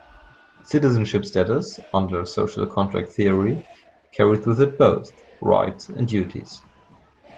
Citizenship status, under social contract theory, carries with it both rights and duties.